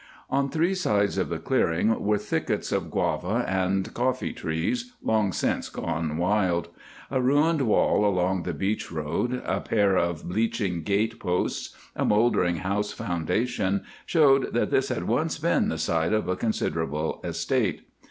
On three sides of the clearing were thickets of guava and coffee trees, long since gone wild. A ruined wall along the beach road, a pair of bleaching gate posts, a moldering house foundation, showed that this had once been the site of a considerable estate.